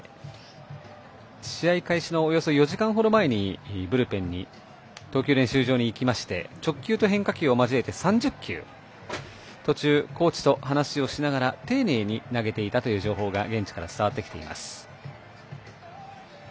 試合開始のおよそ４時間ほど前に投球練習場に行きまして直球と変化球を交えて３０球、途中コーチと話をしながら丁寧に投げていたという情報が現地から伝わってきています。